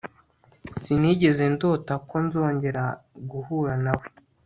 Sinigeze ndota ko nzongera guhura nawe